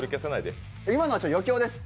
今のは余興です。